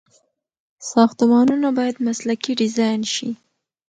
ساختمانونه باید مسلکي ډيزاين شي.